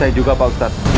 saya juga pak ustadz